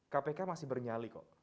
kpk masih bernyali kok